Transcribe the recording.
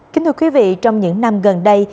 kính thưa quý vị trong những năm gần đây